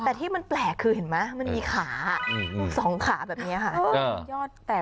แต่ที่มันแปลกคือเห็นไหมมันมีขา๒ขาแบบนี้ค่ะ